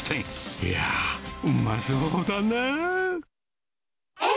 いやー、うまそうだなあ。